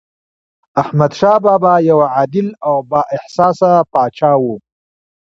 احمدشاه بابا یو عادل او بااحساسه پاچا و.